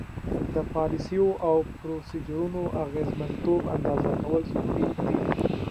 د پالیسیو او پروسیجرونو اغیزمنتوب اندازه کول ضروري دي.